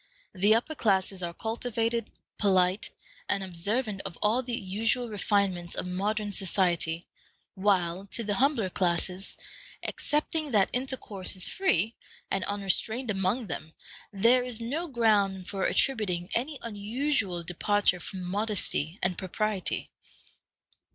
The upper classes are cultivated, polite, and observant of all the usual refinements of modern society, while to the humbler classes, excepting that intercourse is free and unrestrained among them, there is no ground for attributing any unusual departure from modesty and propriety.